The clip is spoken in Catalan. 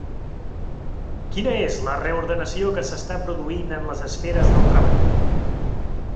Quina és la reordenació que s’està produint en les esferes del treball?